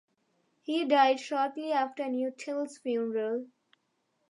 He died shortly after Nuttall's funeral.